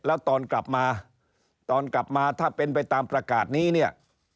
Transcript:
แล้วตอนกลับมาถ้าเป็นไปตามประกาศนี้